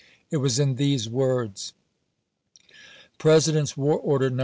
It was in these words : President's War Order, No.